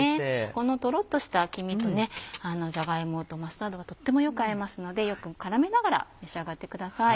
このトロっとした黄身とねじゃが芋とマスタードがとってもよく合いますのでよく絡めながら召し上がってください。